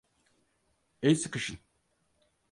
El sıkışın.